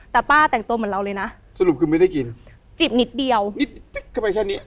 แต่ป้าแต่งตัวเหมือนเราเลยนะสรุปคือไม่ได้กินจิบนิดเดียวนิดจิ๊กเข้าไปแค่นี้